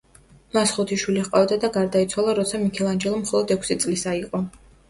მას ხუთი შვილი ჰყავდა და გარდაიცვალა, როცა მიქელანჯელო მხოლოდ ექვსი წლისა იყო.